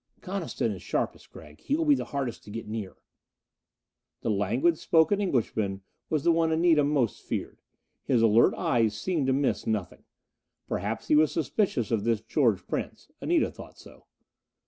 "Coniston is sharpest, Gregg. He will be the hardest to get near." The languid spoken Englishman was the one Anita most feared. His alert eyes seemed to miss nothing. Perhaps he was suspicious of this George Prince Anita thought so.